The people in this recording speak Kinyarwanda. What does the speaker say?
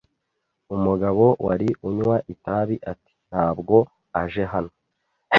Umugabo wari unywa itabi ati: "Ntabwo aje hano."